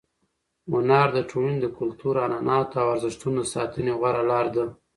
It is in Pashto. هنر د ټولنې د کلتور، عنعناتو او ارزښتونو د ساتنې غوره لار ده.